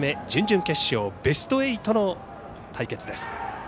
準々決勝、ベスト８の対決です。